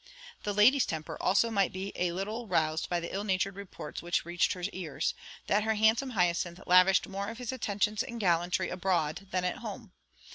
The lady's temper also might be a little roused by the ill natured reports which reached her ears, that her handsome Hyacinth lavished more of his attentions and gallantry abroad than at home.